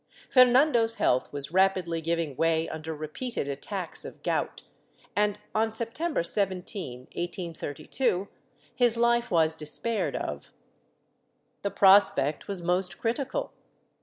Fernando's health was rapidly giving way under repeated attacks of gout and, on September 17, 1832, his life was despaired of. The prospect was most critical.